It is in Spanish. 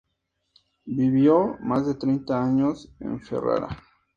Vivió más de treinta años en Ferrara.